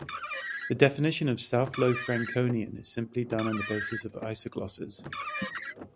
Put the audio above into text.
The definition of South Low Franconian is simply done on the basis of isoglosses.